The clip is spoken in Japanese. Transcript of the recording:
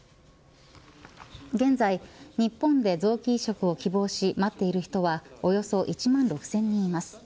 現在、日本で臓器移植を希望し待っている人はおよそ１万６０００人います。